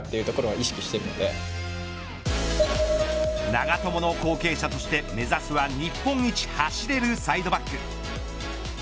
長友の後継者として目指すは日本一走れるサイドバック。